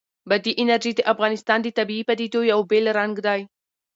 بادي انرژي د افغانستان د طبیعي پدیدو یو بېل رنګ دی.